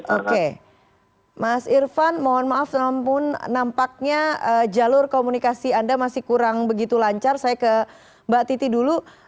oke mas irfan mohon maaf namun nampaknya jalur komunikasi anda masih kurang begitu lancar saya ke mbak titi dulu